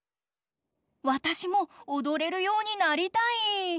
わたしもおどれるようになりたい！